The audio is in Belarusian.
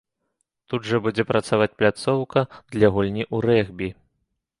Тут жа будзе працаваць пляцоўка для гульні ў рэгбі.